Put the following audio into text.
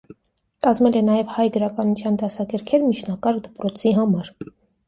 Կազմել է նաև հայ գրականության դասագրքեր միջնակարգ դպրոցի համար։